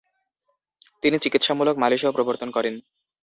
তিনি চিকিৎসামূলক মালিশও প্রবর্তন করেন।